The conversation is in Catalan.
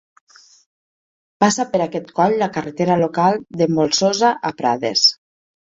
Passa per aquest coll la carretera local de la Molsosa a Prades.